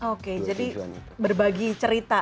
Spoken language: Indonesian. oke jadi berbagi cerita